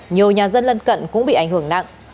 nhiều nhà dân lân cận cũng bị ảnh hưởng nặng